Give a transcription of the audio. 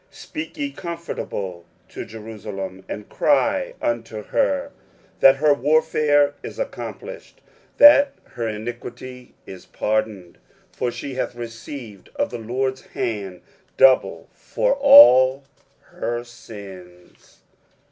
23:040:002 Speak ye comfortably to Jerusalem, and cry unto her, that her warfare is accomplished, that her iniquity is pardoned: for she hath received of the LORD's hand double for all her sins.